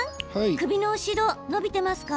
首の後ろ伸びていますか？